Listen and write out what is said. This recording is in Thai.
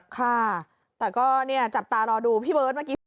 ค่ะแต่ก็เนี่ยจับตารอดูพี่เบิร์ตเมื่อกี้